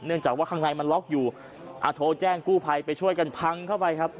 จากว่าข้างในมันล็อกอยู่โทรแจ้งกู้ภัยไปช่วยกันพังเข้าไปครับ